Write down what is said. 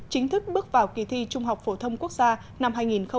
chính thức bước vào kỳ thi trung học phổ thông quốc gia năm hai nghìn một mươi chín